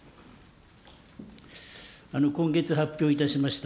今月発表いたしました